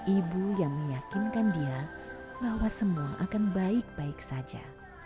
ibu yang meyakinkan dia bahwa semua akan baik baik saja